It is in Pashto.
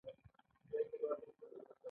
دوی مجبور وو چې خپل کاري ځواک یا مټ وپلوري